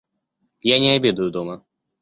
Я не обедаю дома.